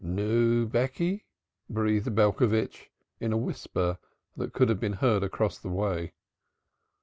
"Nu, Becky!" breathed Belcovitch, in a whisper that could have been heard across the way.